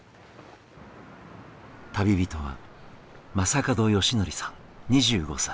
旅人は正門良規さん２５歳。